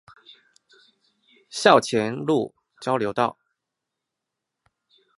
校前路交流道